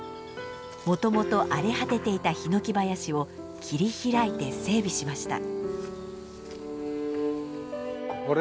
もともと荒れ果てていたヒノキ林を切り開いて整備しました。